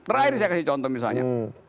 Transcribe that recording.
terakhir saya kasih contoh misalnya